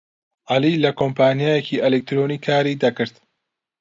عەلی لە کۆمپانیایەکی ئەلیکترۆنی کاری دەکرد.